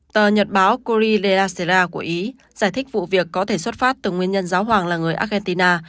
tờ nhật báo cori lea sera của ý giải thích vụ việc có thể xuất phát từ nguyên nhân giáo hoàng là người argentina